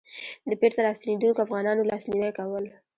د بېرته راستنېدونکو افغانانو لاسنيوی کول.